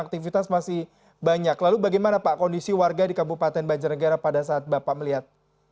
aktivitas masih banyak lalu bagaimana pak kondisi warga di kabupaten banjarnegara pada saat bapak melihat